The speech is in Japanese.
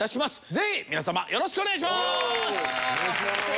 ぜひ皆様よろしくお願いします！